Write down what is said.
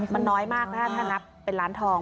มันน้อยมากถ้านับเป็นล้านทอง